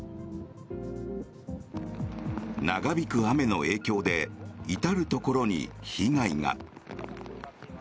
長引く雨の影響で至るところに被害が。